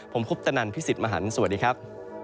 ผมคุปตนันพี่สิทธิ์มหันฯสวัสดีครับ